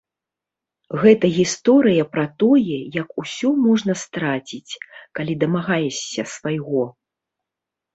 Гэта гісторыя пра тое, як усё можна страціць, калі дамагаешся свайго.